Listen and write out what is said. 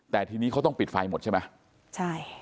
แต่ทีนี้เขาต้องปิดไฟหมดใช่ไหมใช่